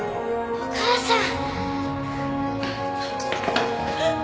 お母さん